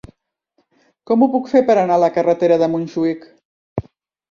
Com ho puc fer per anar a la carretera de Montjuïc?